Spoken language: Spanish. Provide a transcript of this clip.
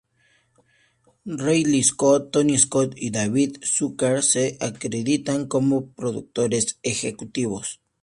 Ridley Scott, Tony Scott y David W. Zucker se acreditan como productores ejecutivos.